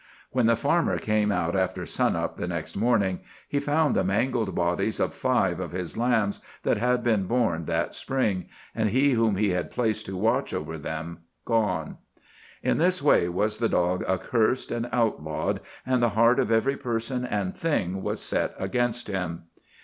When the farmer came out before sunup the next morning, he found the mangled bodies of five of his lambs that had been born that spring, and he whom he had placed to watch over them gone. In this way was the dog accursed and outlawed, and the heart of every person and thing was set against him.